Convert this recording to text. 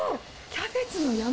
キャベツの山。